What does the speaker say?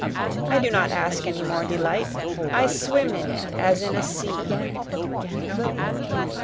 I do not ask any more delight, I swim in it as in a sea.